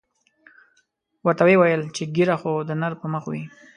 ورته ویې ویل چې ږیره خو د نر پر مخ وي.